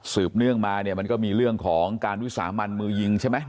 เนื่องมาเนี่ยมันก็มีเรื่องของการวิสามันมือยิงใช่ไหม